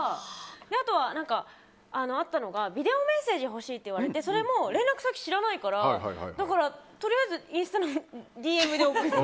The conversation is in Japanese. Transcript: あとは、あったのがビデオメッセージが欲しいって言われてそれも連絡先知らないからとりあえずインスタのＤＭで送りました。